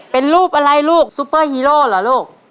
เป็นรูปอะไรลูกซุปเปอร์ฮีโร่เหรอลูก